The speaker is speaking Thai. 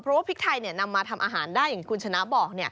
เพราะว่าพริกไทยนำมาทำอาหารได้อย่างที่คุณชนะบอก